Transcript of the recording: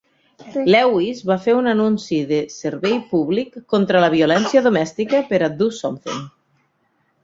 Lewis va fer un anunci de servei públic contra la violència domèstica per a Do Something.